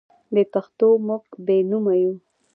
بې پښتوه موږ بې نومه یو.